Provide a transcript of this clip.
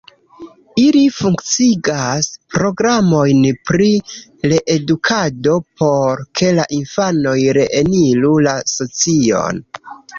Ili funkciigas programojn pri reedukado, por ke la infanoj reeniru la socion.